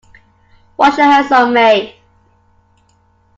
Wash your hands of me.